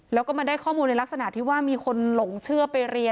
แล้วก็มาได้ข้อมูลในลักษณะที่ว่ามีคนหลงเชื่อไปเรียน